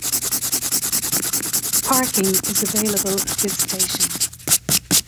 Parking is available at this station.